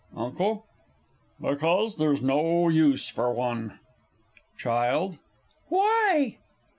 UNCLE. Because there's no use for one. CHILD. Why?